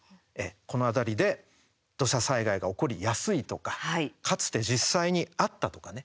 この辺りで土砂災害が起こりやすいとかかつて実際にあったとかね